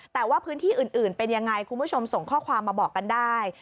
แต่ว่าพื้นที่อื่นเป็นยังไงคุณผู้ชมส่งข้อความมาบอกกันได้